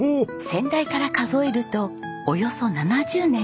先代から数えるとおよそ７０年。